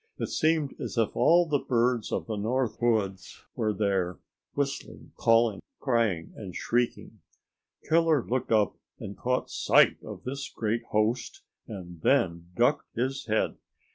It seemed as if all the birds of the North Woods were there, whistling, calling, crying and shrieking. Killer looked up and caught sight of this great host, and then ducked his head.